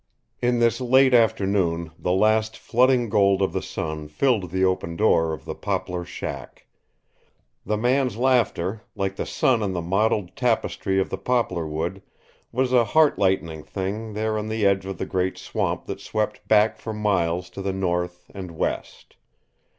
In this late afternoon the last flooding gold of the sun filled the open door of the poplar shack. The man's laughter, like the sun on the mottled tapestry of the poplar wood, was a heart lightening thing there on the edge of the great swamp that swept back for miles to the north and west.